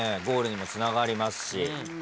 ゴールにもつながりますし。